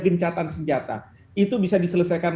gencatan senjata itu bisa diselesaikan